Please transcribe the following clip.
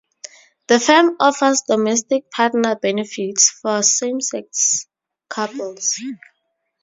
The firm offers domestic partner benefits for same-sex couples.